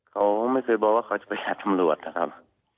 เขาไม่เคยบอกว่าเขาจะไปขัดตำรวจนะครับ